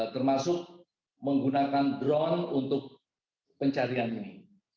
termasuk menggunakan drone untuk pencarian ini